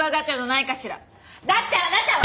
だってあなたは！